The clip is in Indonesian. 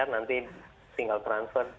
nanti tinggal transfer